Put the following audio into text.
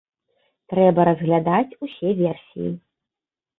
Трэба разглядаць усе версіі.